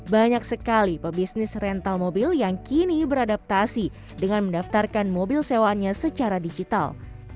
banyak sekali pebisnis rental mobil yang kini beradaptasi dengan mendaftarkan mobil sewaannya secara digital